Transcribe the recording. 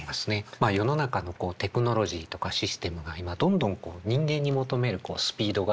まあ世の中のテクノロジーとかシステムが今どんどん人間に求めるスピードが上がってきている。